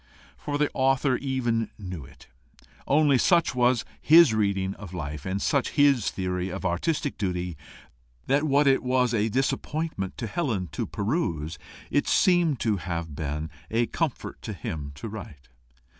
For the author even knew it, only such was his reading of life, and such his theory of artistic duty, that what it was a disappointment to Helen to peruse, it seemed to have been a comfort to him to write.